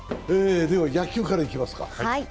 野球からいきますか。